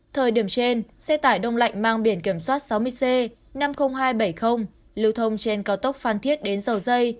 thời điểm trên xe tải đông lạnh mang biển kiểm soát sáu mươi c năm mươi nghìn hai trăm bảy mươi lưu thông trên cao tốc phan thiết đến dầu dây